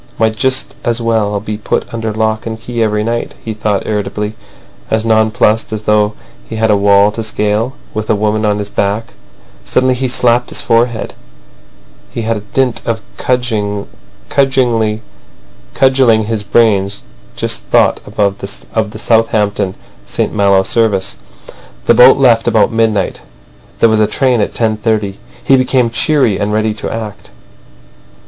"Might just as well be put under lock and key every night," he thought irritably, as nonplussed as though he had a wall to scale with the woman on his back. Suddenly he slapped his forehead. He had by dint of cudgelling his brains just thought of the Southampton—St Malo service. The boat left about midnight. There was a train at 10.30. He became cheery and ready to act.